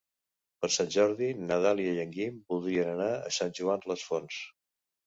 Per Sant Jordi na Dàlia i en Guim voldrien anar a Sant Joan les Fonts.